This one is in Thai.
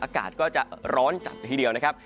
อากาศก็จะร้อนจัดละทีเดียวนะครับ